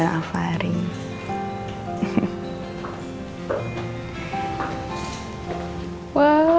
aku mau ke rumah